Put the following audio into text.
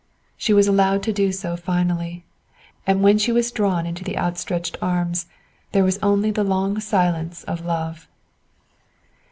She was allowed to do so finally; and when she was drawn into the outstretched arms, there was only the long silence of love.